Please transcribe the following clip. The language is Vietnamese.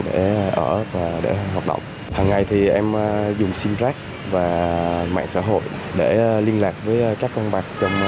để ở và để hoạt động hàng ngày thì em dùng simrack và mạng xã hội để liên lạc với các con bạc trong